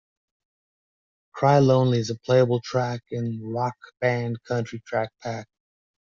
"Cry Lonely" is a playable track in "Rock Band Country Track Pack".